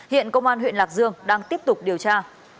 hiện công an huyện lạc dương đang tiếp tục điều tra